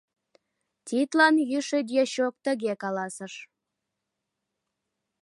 Тидлан йӱшӧ дьячок тыге каласыш: